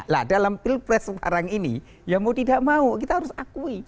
nah dalam pilpres sekarang ini ya mau tidak mau kita harus akui